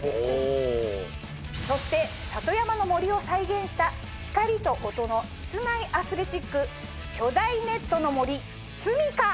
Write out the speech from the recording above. そして里山の森を再現した光と音の室内アスレチック巨大ネットの森ＳＵＭＩＫＡ！